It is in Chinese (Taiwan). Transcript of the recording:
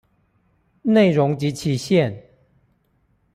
內容及期限